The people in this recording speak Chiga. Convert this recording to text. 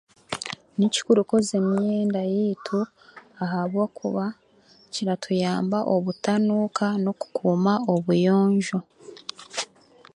Ni kikuru kwozya emyenda yaitu, ahabwokuba kiratuyamba obutanuuka n'okukuuma obuyonjo.